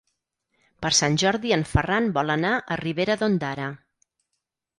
Per Sant Jordi en Ferran vol anar a Ribera d'Ondara.